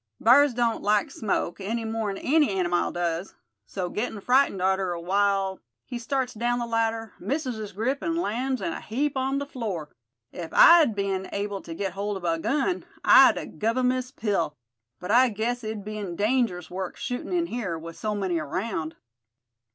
Bears don't like smoke, any more'n any animile does. So gettin' frightened arter a while, he starts down the ladder, misses his grip, an' lands in a heap on the floor. If I'd be'n able tuh git hold o' a gun I'd a guv him his pill; but I guess it'd be'n dangerous work shootin' in here, with so many 'raound."